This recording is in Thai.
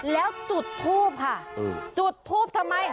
แล้วจุดทูบค่ะจุดทูปทำไม